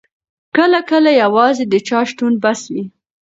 کله کله یوازې د چا شتون بس وي.